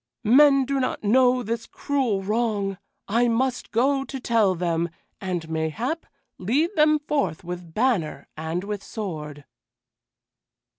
"Men do not know this cruel wrong; I must go to tell them, and mayhap lead them forth with banner and with sword."